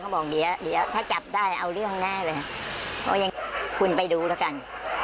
เขาบอกเดี๋ยวถ้าจับได้เอาเรื่องแน่ไปเขายังจะคุณไปดูแล้วกัน